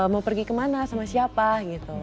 mau pergi kemana sama siapa gitu